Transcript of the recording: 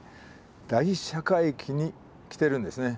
大釈駅に来てるんですね。